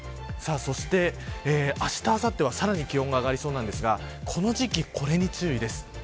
そして、あした、あさってはさらに気温が上がりそうなんですがこの時期、これに注意です。